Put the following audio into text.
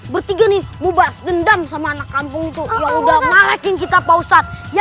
bertiga nih bubas dendam sama anak kampung itu udah malaik kita pausat ya